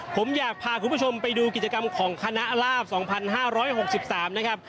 ผมอยากพาคุณผู้ชมไปดูกิจกรรมของคณะลาบ๒๕๖๓นะครับ